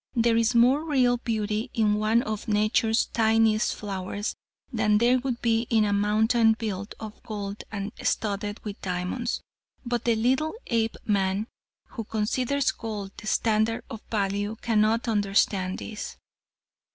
There is more real beauty in one of nature's tiniest flowers than there would be in a mountain built of gold and studded with diamonds, but the little Apeman who considers gold the standard of value cannot understand this."